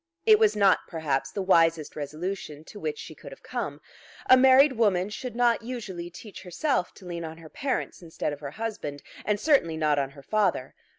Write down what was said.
It was not, perhaps, the wisest resolution to which she could have come. A married woman should not usually teach herself to lean on her parents instead of her husband, and certainly not on her father.